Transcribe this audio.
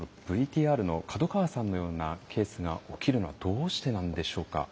ＶＴＲの門川さんのようなケースが起きるのはどうしてなんでしょうか？